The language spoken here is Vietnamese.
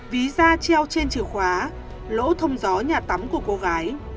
ví ra treo trên chìa khóa lỗ thông gió nhà tắm của cô gái